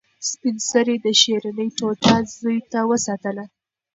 سپین سرې د شیرني ټوټه زوی ته وساتله.